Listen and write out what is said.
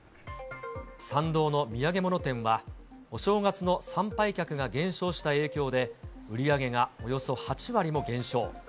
参道の土産物店は、お正月の参拝客が減少した影響で、売り上げがおよそ８割も減少。